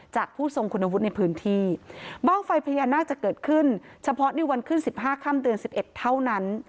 ผู้ทรงคุณวุฒิในพื้นที่บ้างไฟพญานาคจะเกิดขึ้นเฉพาะในวันขึ้น๑๕ค่ำเดือน๑๑เท่านั้น